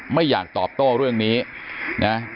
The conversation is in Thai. ไม่อยากตอบโต้เรื่องนี้นะ